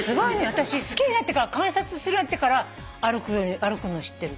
私好きになってから観察するようになってから歩くの知ってる。